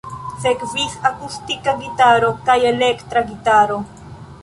Sekvis akustika gitaro kaj elektra gitaro.